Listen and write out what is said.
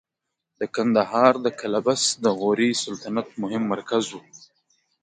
د کندهار د قلعه بست د غوري سلطنت مهم مرکز و